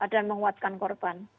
dan menguatkan korban